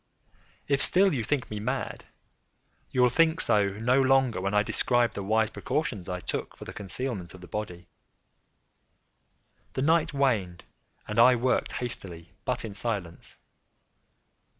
If still you think me mad, you will think so no longer when I describe the wise precautions I took for the concealment of the body. The night waned, and I worked hastily, but in silence.